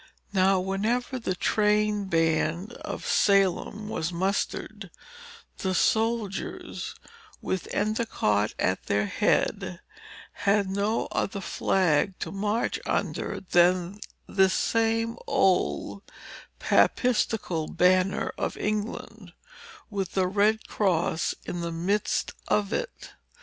Now, whenever the train band of Salem was mustered, the soldiers, with Endicott at their head, had no other flag to march under than this same old papistical banner of England, with the Red Cross in the midst of it.